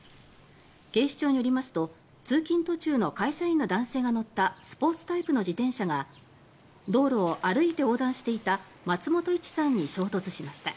警視庁によりますと通勤途中の会社員の男性が乗ったスポーツタイプの自転車が道路を歩いて横断していた松本イチさんに衝突しました。